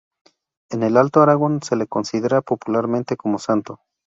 En el Alto Aragón se le considera popularmente como santo.